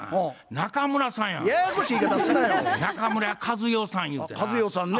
中村和代さんゆうてな。